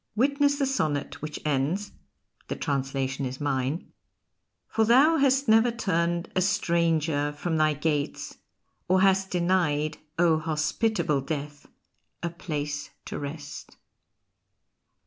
Witness the sonnet which ends (the translation is mine): For thou has never turned A stranger from thy gates or hast denied, O hospitable Death, a place to rest.